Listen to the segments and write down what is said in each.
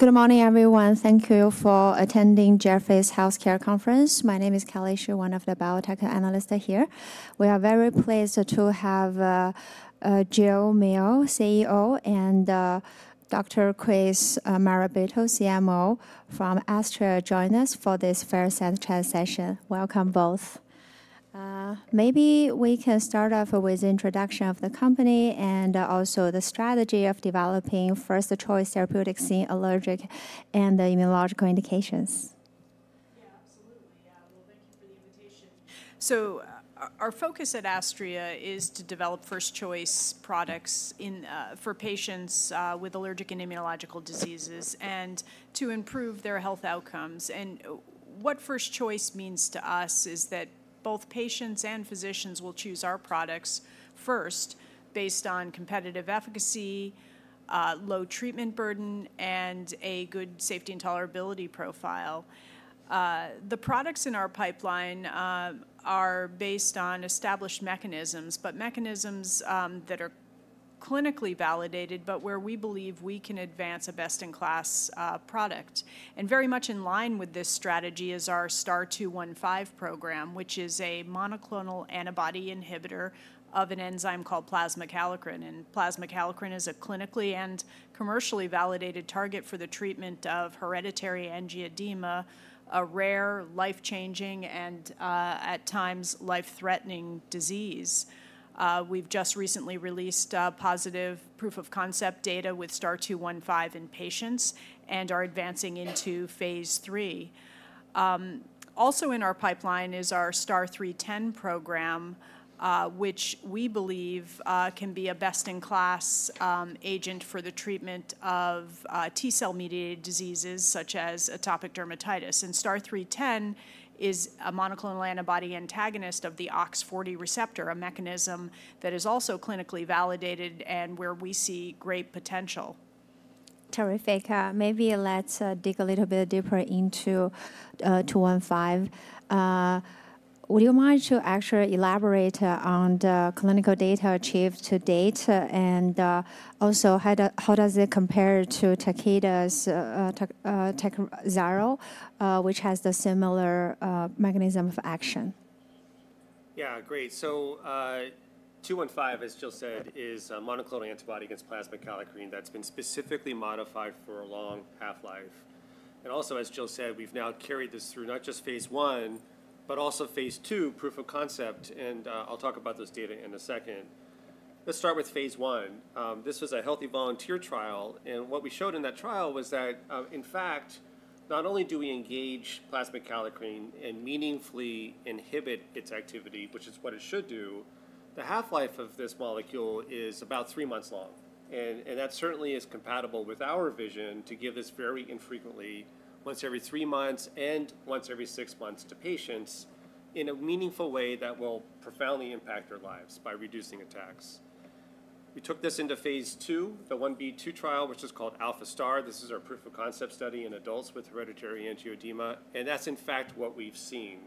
Good morning, everyone. Thank you for attending Jefferies Healthcare Conference. My name is Kelly Zou, one of the biotech analysts here. We are very pleased to have Jill Milne, CEO, and Dr. Chris Morabito, CMO, from Astria join us for this fireside chat session. Welcome, both. Maybe we can start off with introduction of the company and also the strategy of developing first-choice therapeutics in allergic and immunological indications. Yeah, absolutely. Yeah. Well, thank you for the invitation. So our focus at Astria is to develop first-choice products in for patients with allergic and immunological diseases and to improve their health outcomes. And what first choice means to us is that both patients and physicians will choose our products first, based on competitive efficacy, low treatment burden, and a good safety and tolerability profile. The products in our pipeline are based on established mechanisms that are clinically validated, but where we believe we can advance a best-in-class product. And very much in line with this strategy is our STAR-0215 program, which is a monoclonal antibody inhibitor of an enzyme called plasma kallikrein. And plasma kallikrein is a clinically and commercially validated target for the treatment of hereditary angioedema, a rare, life-changing, and, at times, life-threatening disease. We've just recently released positive proof-of-concept data with STAR-0215 in patients and are advancing into phase III. Also in our pipeline is our STAR-0310 program, which we believe can be a best-in-class agent for the treatment of T-cell-mediated diseases, such as atopic dermatitis. STAR-0310 is a monoclonal antibody antagonist of the OX40 receptor, a mechanism that is also clinically validated and where we see great potential. Terrific. Maybe let's dig a little bit deeper into 215. Would you mind to actually elaborate on the clinical data achieved to date, and also, how do- how does it compare to Takeda's Takhzyro, which has the similar mechanism of action? Yeah, great. So, 215, as Jill said, is a monoclonal antibody against plasma kallikrein that's been specifically modified for a long half-life. And also, as Jill said, we've now carried this through not just phase I, but also phase II proof of concept, and I'll talk about those data in a second. Let's start with phase I. This was a healthy volunteer trial, and what we showed in that trial was that, in fact, not only do we engage plasma kallikrein and meaningfully inhibit its activity, which is what it should do, the half-life of this molecule is about three months long. And that certainly is compatible with our vision to give this very infrequently, once every three months and once every six months to patients, in a meaningful way that will profoundly impact their lives by reducing attacks. We took this into Phase 1b/2, the 1b/2 trial, which is called ALPHA-STAR. This is our proof-of-concept study in adults with hereditary angioedema, and that's in fact what we've seen.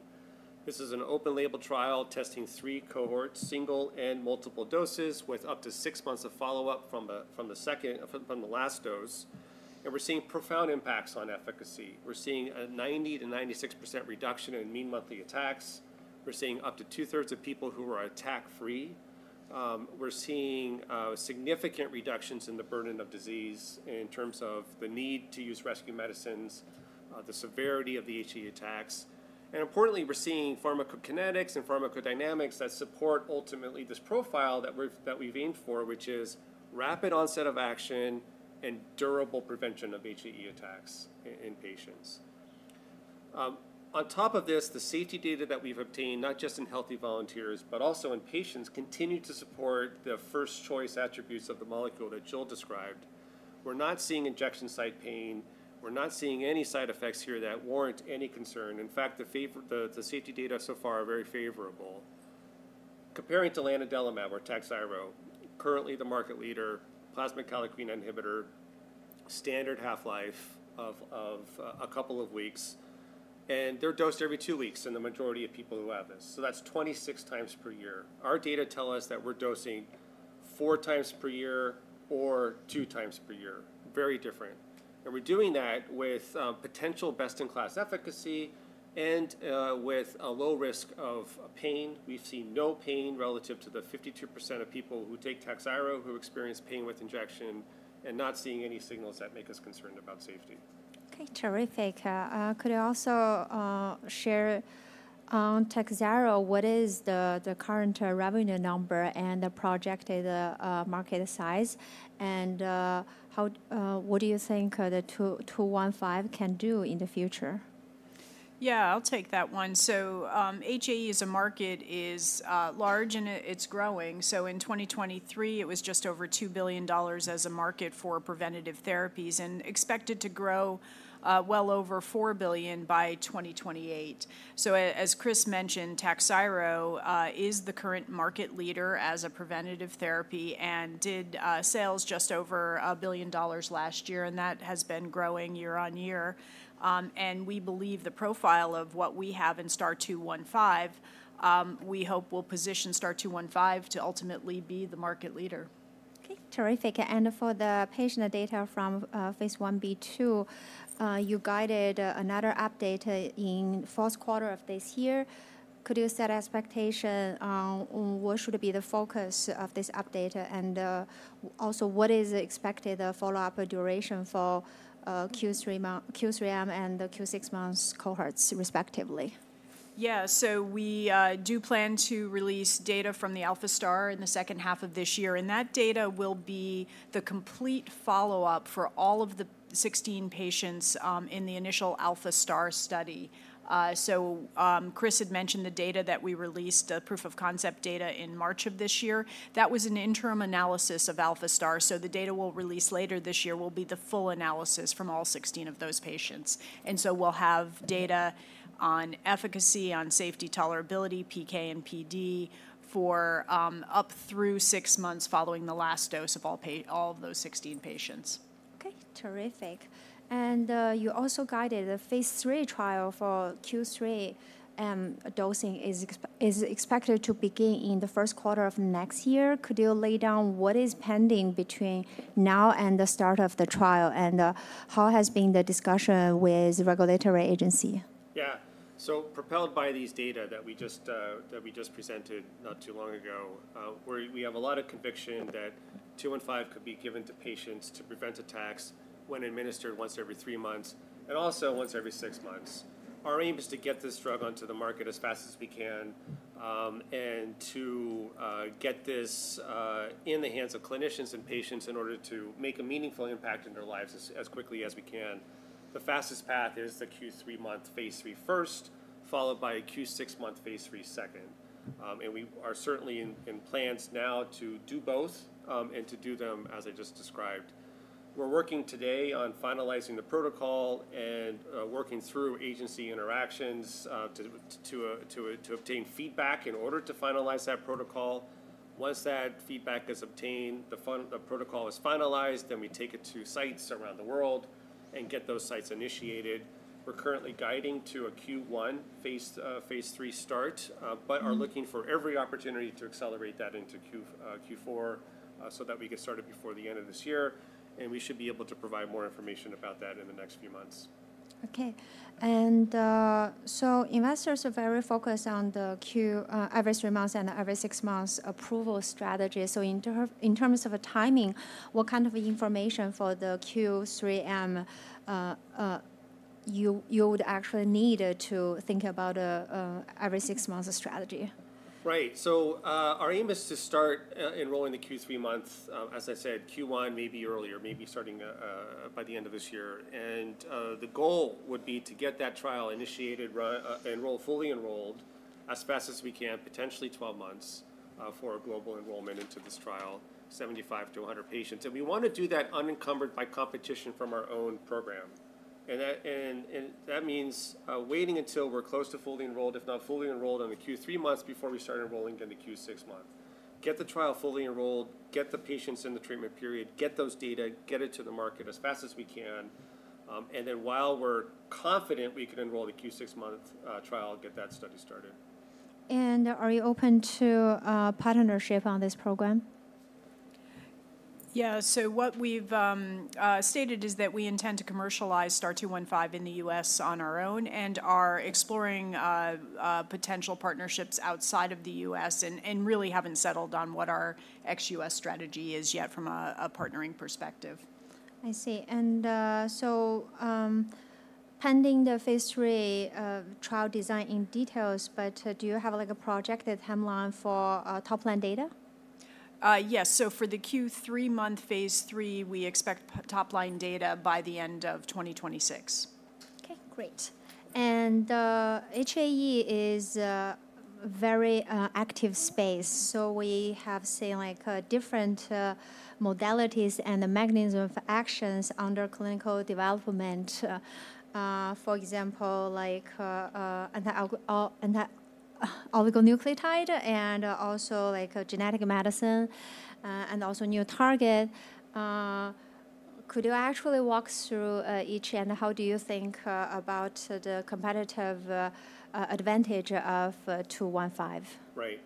This is an open-label trial testing three cohorts, single and multiple doses, with up to six months of follow-up from the last dose, and we're seeing profound impacts on efficacy. We're seeing a 90%-96% reduction in mean monthly attacks. We're seeing up to two-thirds of people who are attack-free. We're seeing significant reductions in the burden of disease in terms of the need to use rescue medicines, the severity of the HAE attacks. And importantly, we're seeing pharmacokinetics and pharmacodynamics that support, ultimately, this profile that we've, that we've aimed for, which is rapid onset of action and durable prevention of HAE attacks in patients. On top of this, the safety data that we've obtained, not just in healthy volunteers, but also in patients, continue to support the first-choice attributes of the molecule that Jill described. We're not seeing injection site pain. We're not seeing any side effects here that warrant any concern. In fact, the safety data so far are very favorable. Comparing to lanadelumab or Takhzyro, currently the market leader, plasma kallikrein inhibitor, standard half-life of a couple of weeks, and they're dosed every two weeks in the majority of people who have this. So that's 26x per year. Our data tell us that we're dosing 4x per year or 2x per year. Very different. And we're doing that with potential best-in-class efficacy and with a low risk of pain. We've seen no pain relative to the 52% of people who take Takhzyro, who experience pain with injection, and not seeing any signals that make us concerned about safety. Okay, terrific. Could you also share on Takhzyro, what is the current revenue number and the projected market size? And, what do you think the STAR-0215 can do in the future? Yeah, I'll take that one. So, HAE as a market is, large, and it's growing. So in 2023, it was just over $2 billion as a market for preventative therapies and expected to grow, well over $4 billion by 2028. So as Chris mentioned, Takhzyro is the current market leader as a preventative therapy and did, sales just over $1 billion last year, and that has been growing year-on-year. And we believe the profile of what we have in STAR-0215, we hope will position STAR-0215 to ultimately be the market leader.... Terrific! And for the patient data from Phase 1b/2, you guided another update in fourth quarter of this year. Could you set expectation on what should be the focus of this update? And also, what is expected follow-up duration for Q3 mo- Q3m and the Q6 months cohorts, respectively? Yeah. So we do plan to release data from the ALPHA-STAR in the second half of this year, and that data will be the complete follow-up for all of the 16 patients in the initial ALPHA-STAR study. So Chris had mentioned the data that we released, the proof of concept data in March of this year. That was an interim analysis of ALPHA-STAR. So the data we'll release later this year will be the full analysis from all 16 of those patients. And so we'll have data on efficacy, on safety, tolerability, PK, and PD for up through 6 months following the last dose of all of those 16 patients. Okay, terrific. You also guided a phase III trial for Q3, dosing is expected to begin in the first quarter of next year. Could you lay down what is pending between now and the start of the trial? How has been the discussion with regulatory agency? Yeah. So propelled by these data that we just presented not too long ago, we have a lot of conviction that 215 could be given to patients to prevent attacks when administered once every 3 months, and also once every 6 months. Our aim is to get this drug onto the market as fast as we can, and to get this in the hands of clinicians and patients in order to make a meaningful impact in their lives as quickly as we can. The fastest path is the 3-month phase III first, followed by a 6-month phase III second. And we are certainly in plans now to do both, and to do them as I just described. We're working today on finalizing the protocol and, working through agency interactions, to obtain feedback in order to finalize that protocol. Once that feedback is obtained, the protocol is finalized, then we take it to sites around the world and get those sites initiated. We're currently guiding to a Q1 Phase III start, but are looking for every opportunity to accelerate that into Q4, so that we get started before the end of this year, and we should be able to provide more information about that in the next few months. Okay. So investors are very focused on the Q every three months and every six months approval strategy. So in terms of timing, what kind of information for the Q3m you would actually need to think about every six months strategy? Right. So, our aim is to start enrolling the Q3 months, as I said, Q1, maybe earlier, maybe starting by the end of this year. And the goal would be to get that trial initiated, enroll, fully enrolled as fast as we can, potentially 12 months, for a global enrollment into this trial, 75-100 patients. And we want to do that unencumbered by competition from our own program. And that means waiting until we're close to fully enrolled, if not fully enrolled, in the Q3 months before we start enrolling in the Q6 month. Get the trial fully enrolled, get the patients in the treatment period, get those data, get it to the market as fast as we can, and then while we're confident we can enroll the Q6 month trial, get that study started. Are you open to partnership on this program? Yeah. So what we've stated is that we intend to commercialize STAR-0215 in the U.S. on our own and are exploring potential partnerships outside of the U.S. and really haven't settled on what our ex-U.S. strategy is yet from a partnering perspective. I see. And, so, pending the phase III trial design in details, but, do you have, like, a projected timeline for top-line data? Yes. For the Q3 month phase III, we expect top-line data by the end of 2026. Okay, great. HAE is a very active space, so we have seen, like, different modalities and the mechanism of actions under clinical development. For example, like, an oligonucleotide and also, like, a genetic medicine, and also new target. Could you actually walk through each and how do you think about the competitive advantage of 215? Right.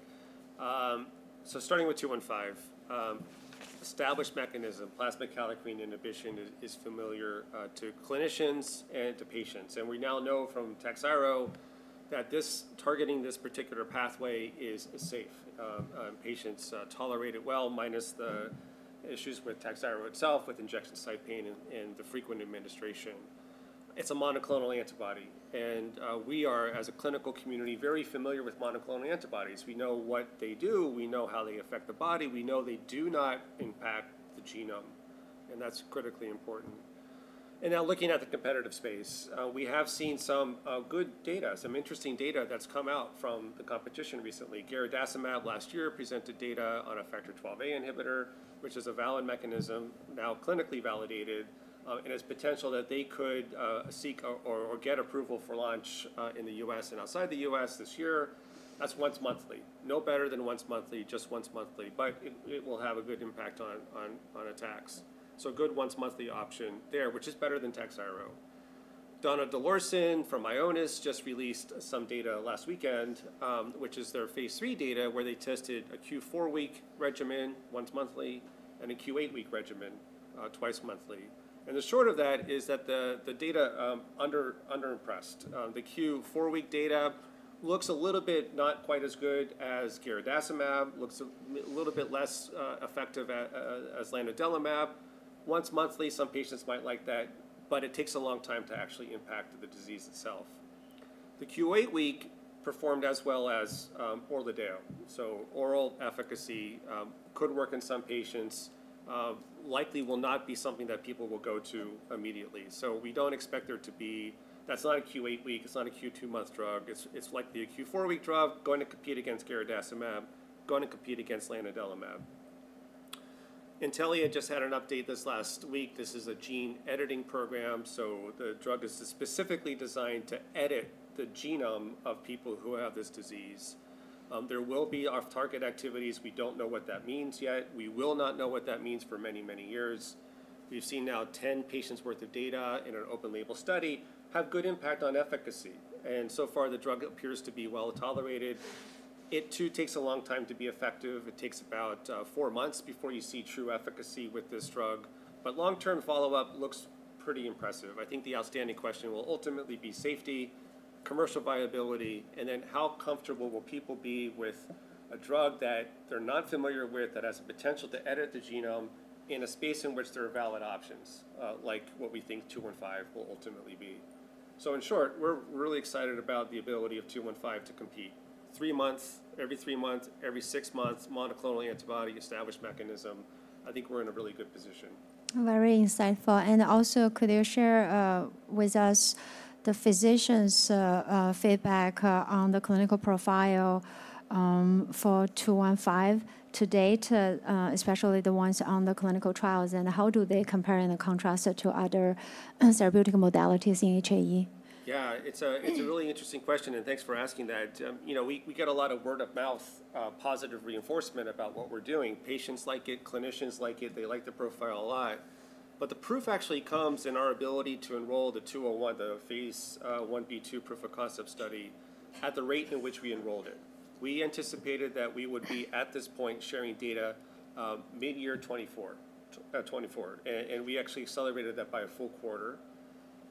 So starting with STAR-0215, established mechanism, plasma kallikrein inhibition is familiar to clinicians and to patients. And we now know from Takhzyro that this targeting this particular pathway is safe. Patients tolerate it well, minus the issues with Takhzyro itself, with injection site pain and the frequent administration. It's a monoclonal antibody, and we are, as a clinical community, very familiar with monoclonal antibodies. We know what they do, we know how they affect the body, we know they do not impact the genome, and that's critically important. And now, looking at the competitive space, we have seen some good data, some interesting data that's come out from the competition recently. Garadacimab last year presented data on a Factor XIIa inhibitor, which is a valid mechanism, now clinically validated, and has potential that they could seek or get approval for launch in the US and outside the US this year. That's once monthly. No better than once monthly, just once monthly, but it will have a good impact on attacks. So good once monthly option there, which is better than Takhzyro. Donidalorsen from Ionis just released some data last weekend, which is their phase III data, where they tested a Q4-week regimen once monthly and a Q8-week regimen, twice monthly. And the short of that is that the data under impressed. The Q4-week data looks a little bit not quite as good as garadacimab, looks a little bit less effective as lanadelumab. Once monthly, some patients might like that, but it takes a long time to actually impact the disease itself. The Q8-week performed as well as Orladeyo, so oral efficacy could work in some patients, likely will not be something that people will go to immediately. So we don't expect there to be... That's not a Q8-week, it's not a Q2-month drug. It's likely a Q4-week drug, going to compete against garadacimab, going to compete against lanadelumab. Intellia just had an update this last week. This is a gene-editing program, so the drug is specifically designed to edit the genome of people who have this disease. There will be off-target activities. We don't know what that means yet. We will not know what that means for many, many years. We've seen now 10 patients' worth of data in an open-label study have good impact on efficacy, and so far, the drug appears to be well-tolerated. It, too, takes a long time to be effective. It takes about four months before you see true efficacy with this drug, but long-term follow-up looks pretty impressive. I think the outstanding question will ultimately be safety, commercial viability, and then how comfortable will people be with a drug that they're not familiar with, that has the potential to edit the genome in a space in which there are valid options, like what we think 215 will ultimately be. So in short, we're really excited about the ability of 215 to compete. Three months, every three months, every six months, monoclonal antibody established mechanism, I think we're in a really good position. Very insightful. And also, could you share with us the physicians' feedback on the clinical profile for 215 to date, especially the ones on the clinical trials, and how do they compare and contrast it to other therapeutic modalities in HAE? Yeah, it's a really interesting question, and thanks for asking that. You know, we get a lot of word-of-mouth positive reinforcement about what we're doing. Patients like it, clinicians like it. They like the profile a lot. But the proof actually comes in our ability to enroll the 201, the phase 1b/2 proof of concept study, at the rate in which we enrolled it. We anticipated that we would be, at this point, sharing data mid-year 2024, and we actually accelerated that by a full-quarter.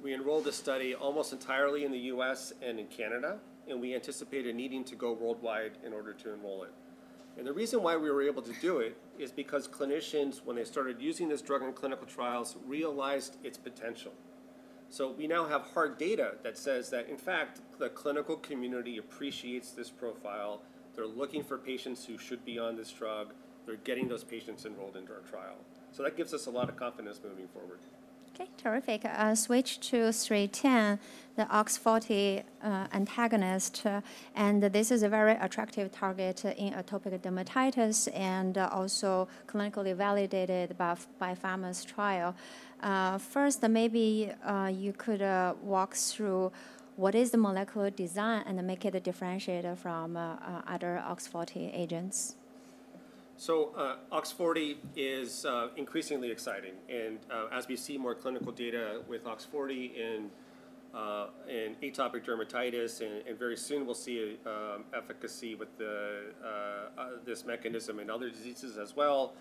We enrolled a study almost entirely in the U.S. and in Canada, and we anticipated needing to go worldwide in order to enroll it. The reason why we were able to do it is because clinicians, when they started using this drug in clinical trials, realized its potential. We now have hard data that says that, in fact, the clinical community appreciates this profile. They're looking for patients who should be on this drug. They're getting those patients enrolled into our trial. That gives us a lot of confidence moving forward. Okay, terrific. Switch to STAR-0310, the OX40 antagonist, and this is a very attractive target in atopic dermatitis and also clinically validated by pharma's trial. First, maybe you could walk through what is the molecular design and make it a differentiator from other OX40 agents. So, OX40 is increasingly exciting, and as we see more clinical data with OX40 in atopic dermatitis, and very soon we'll see efficacy with the this mechanism in other diseases as well.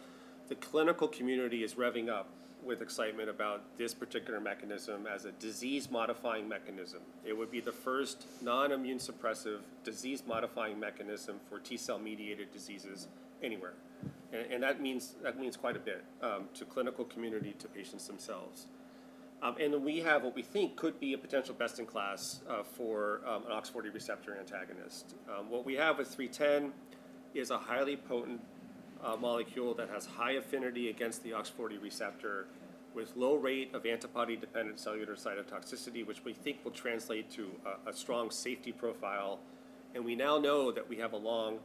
The clinical community is revving up with excitement about this particular mechanism as a disease-modifying mechanism. It would be the first non-immune suppressive, disease-modifying mechanism for T-cell-mediated diseases anywhere. And that means, that means quite a bit, to clinical community, to patients themselves. And we have what we think could be a potential best in class, for an OX40 receptor antagonist. What we have with 310 is a highly potent molecule that has high affinity against the OX40 receptor, with low rate of antibody-dependent cellular cytotoxicity, which we think will translate to a strong safety profile, and we now know that we have a long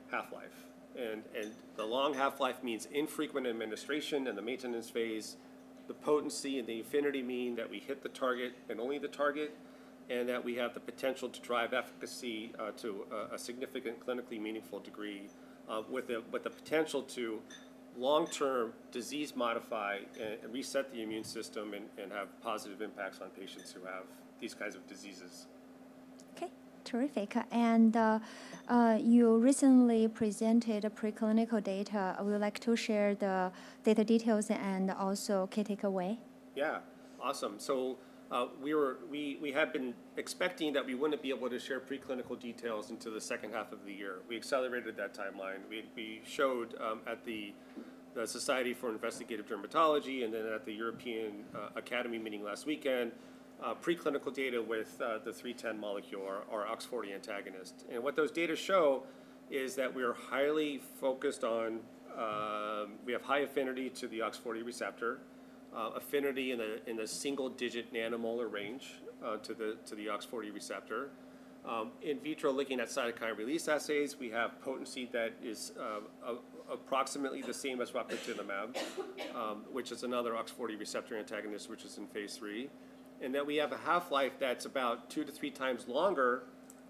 half-life. The long half-life means infrequent administration in the maintenance phase. The potency and the affinity mean that we hit the target and only the target, and that we have the potential to drive efficacy to a significant, clinically meaningful degree, with the potential to long-term disease modify and reset the immune system and have positive impacts on patients who have these kinds of diseases. Okay, terrific. You recently presented a preclinical data. I would like to share the data details and also key takeaway. Yeah. Awesome. So, we had been expecting that we wouldn't be able to share preclinical details until the second half of the year. We accelerated that timeline. We showed at the Society for Investigative Dermatology, and then at the European Academy meeting last weekend, preclinical data with the 310 molecule, our OX40 antagonist. And what those data show is that we are highly focused on. We have high affinity to the OX40 receptor, affinity in a single-digit nanomolar range, to the OX40 receptor. In vitro, looking at cytokine release assays, we have potency that is approximately the same as rocatinlimab, which is another OX40 receptor antagonist, which is in phase III. We have a half-life that's about 2-3 times longer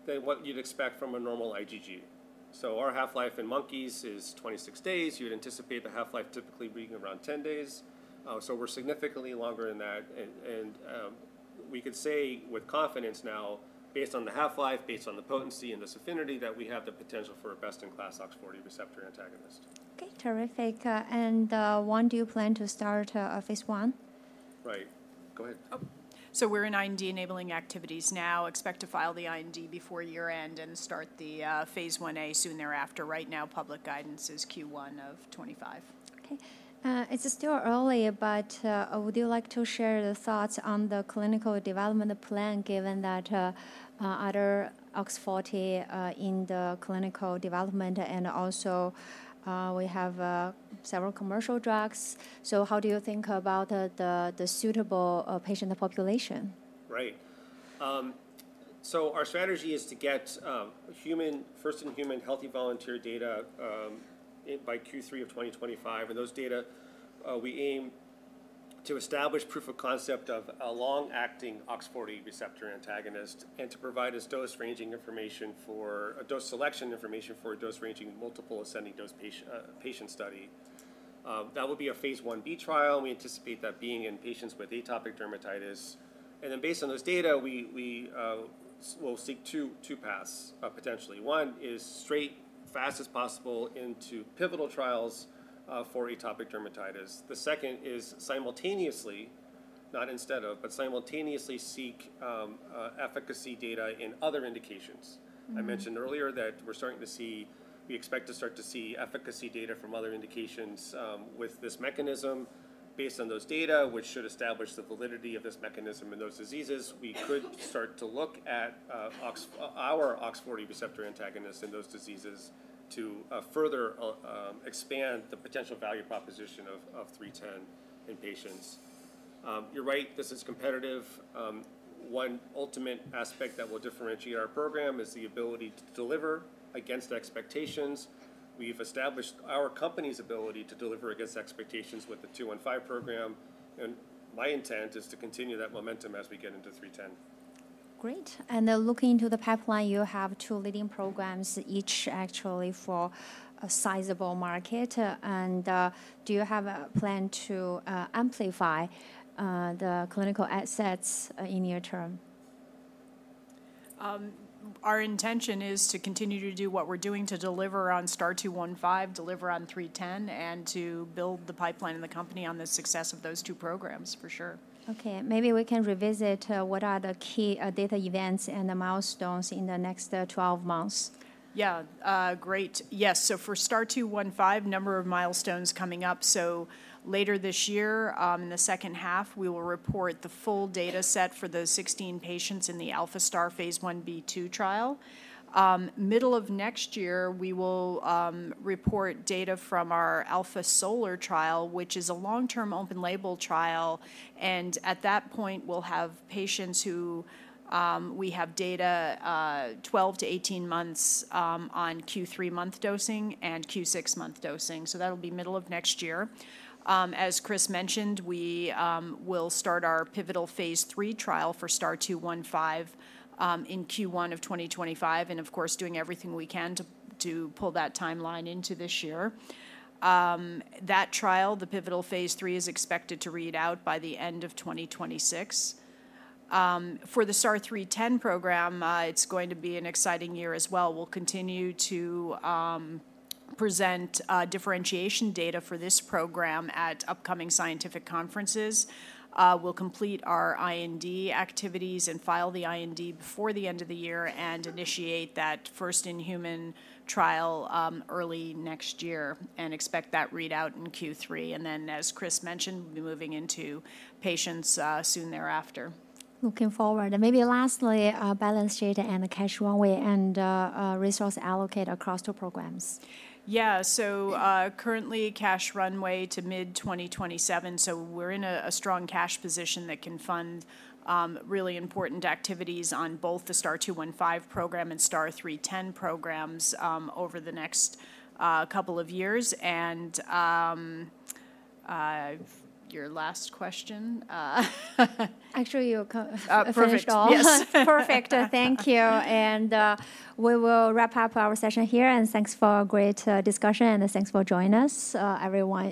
than what you'd expect from a normal IgG. So our half-life in monkeys is 26 days. You'd anticipate the half-life typically being around 10 days, so we're significantly longer than that. And we could say with confidence now, based on the half-life, based on the potency and this affinity, that we have the potential for a best-in-class OX40 receptor antagonist. Okay, terrific. When do you plan to start phase one? Right. Go ahead. Oh, so we're in IND-enabling activities now. Expect to file the IND before year-end and start the phase 1a soon thereafter. Right now, public guidance is Q1 of 2025. Okay. It's still early, but would you like to share the thoughts on the clinical development plan, given that other OX40 in the clinical development and also we have several commercial drugs? So how do you think about the suitable patient population? Right. So our strategy is to get first in human healthy volunteer data by Q3 of 2025. Those data we aim to establish proof of concept of a long-acting OX40 receptor antagonist and to provide us dose ranging information for a dose selection information for a dose ranging multiple ascending dose patient study. That would be a phase 1b trial. We anticipate that being in patients with atopic dermatitis. Then based on those data, we will seek two paths potentially. One is straight, fast as possible into pivotal trials for atopic dermatitis. The second is simultaneously, not instead of, but simultaneously seek efficacy data in other indications. Mm-hmm. I mentioned earlier that we expect to start to see efficacy data from other indications with this mechanism. Based on those data, which should establish the validity of this mechanism in those diseases, we could start to look at OX, our OX40 receptor antagonist in those diseases to further expand the potential value proposition of 310 in patients. You're right, this is competitive. One ultimate aspect that will differentiate our program is the ability to deliver against expectations. We've established our company's ability to deliver against expectations with the 215 program, and my intent is to continue that momentum as we get into 310. Great. Then looking into the pipeline, you have two leading programs, each actually for a sizable market. Do you have a plan to amplify the clinical assets in near term? Our intention is to continue to do what we're doing to deliver on STAR-0215, deliver on STAR-0310, and to build the pipeline in the company on the success of those two programs, for sure. Okay, maybe we can revisit what are the key data events and the milestones in the next 12 months? Yeah, great. Yes, so for STAR-0215, number of milestones coming up. So later this year, in the second half, we will report the full data set for those 16 patients in the ALPHA-STAR phase 1b/2 trial. Middle of next year, we will report data from our ALPHA-SOLAR trial, which is a long-term, open-label trial, and at that point, we'll have patients who we have data 12-18 months on Q3-month dosing and Q6-month dosing. So that'll be middle of next year. As Chris mentioned, we will start our pivotal phase III trial for STAR-0215 in Q1 of 2025, and of course, doing everything we can to pull that timeline into this year. That trial, the pivotal phase III, is expected to read out by the end of 2026. For the STAR-0310 program, it's going to be an exciting year as well. We'll continue to present differentiation data for this program at upcoming scientific conferences. We'll complete our IND activities and file the IND before the end of the year and initiate that first in-human trial early next year and expect that readout in Q3. And then, as Chris mentioned, we'll be moving into patients soon thereafter. Looking forward. And maybe lastly, balance sheet and the cash runway and, resource allocate across the programs. Yeah. So, currently, cash runway to mid-2027, so we're in a strong cash position that can fund really important activities on both the STAR-0215 program and STAR-0310 programs, over the next couple of years. And your last question, Actually, you co- Uh, perfect. Finished all. Yes. Perfect. Thank you. And we will wrap up our session here, and thanks for a great discussion, and thanks for joining us, everyone.